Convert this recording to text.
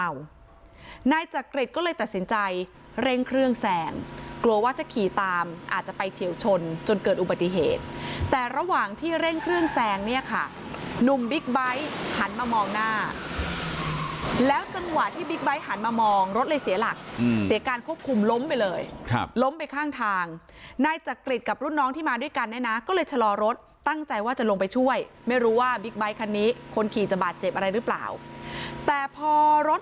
อาจจะไปเฉียวชนจนเกิดอุบัติเหตุแต่ระหว่างที่เร่งเครื่องแซงเนี้ยค่ะหนุ่มบิ๊กไบค์หันมามองหน้าแล้วจังหวะที่บิ๊กไบค์หันมามองรถเลยเสียหลักอืมเสียการควบคุมล้มไปเลยครับล้มไปข้างทางนายจักริจกับรุ่นน้องที่มาด้วยกันได้น่ะก็เลยชะลอรถตั้งใจว่าจะลงไปช่วยไม่รู้ว่าบิ๊กไบค์คันนี้คนขี่จะบาด